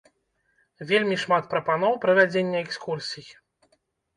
Вельмі шмат прапаноў правядзення экскурсій.